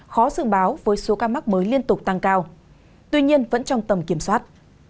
khó dự báo với số ca mắc mới liên tục tăng cao tuy nhiên vẫn trong tầm kiểm soát